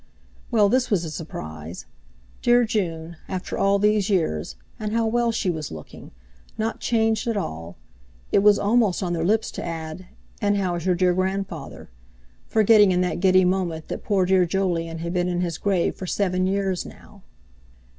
Well, this was a surprise! Dear June—after all these years! And how well she was looking! Not changed at all! It was almost on their lips to add, "And how is your dear grandfather?" forgetting in that giddy moment that poor dear Jolyon had been in his grave for seven years now.